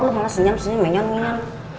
lu malah senyum senyum menyom nyom